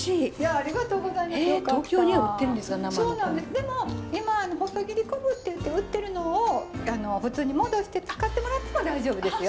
でも今細切り昆布って言って売ってるのを普通に戻して使ってもらっても大丈夫ですよ。